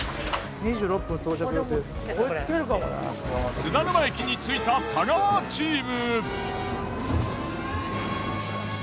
津田沼駅に着いた太川チーム。